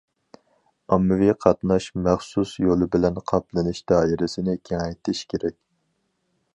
ئاممىۋى قاتناش مەخسۇس يولى بىلەن قاپلىنىش دائىرىسىنى كېڭەيتىش كېرەك.